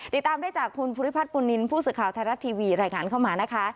ติดตามได้จากคุณภูริพัฒน์ปุนนินผู้ศึกข่าวไทยรัฐทีวีแหล่งงานเข้ามา